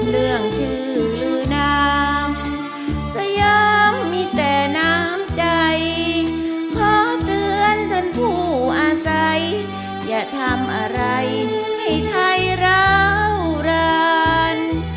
เรื่องชื่อลือนามสยามมีแต่น้ำใจขอเตือนท่านผู้อาศัยอย่าทำอะไรให้ไทยร้าวร้าน